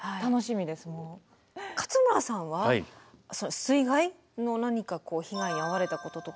勝村さんは水害の何かこう被害に遭われたこととか？